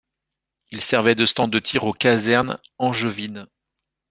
Ils servaient de stand de tir aux casernes angevines.